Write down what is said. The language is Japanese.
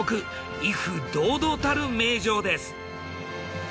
威風堂々たる名城です。